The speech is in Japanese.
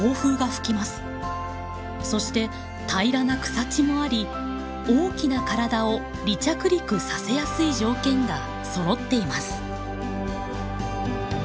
そして平らな草地もあり大きな体を離着陸させやすい条件がそろっています。